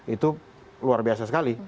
itu luar biasa sekali